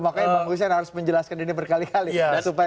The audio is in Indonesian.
makanya bang hussein harus menjelaskan ini berkali kali